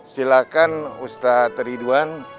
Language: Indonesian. silahkan ustadz ridwan